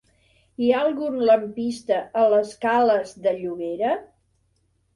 Hi ha algun lampista a la escales de Llobera?